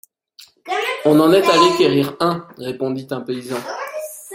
On en est allé quérir un, répondit un paysan.